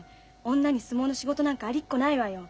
女に相撲の仕事なんかありっこないわよ。